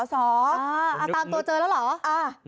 เอาตามตัวเจอแล้วเหรอ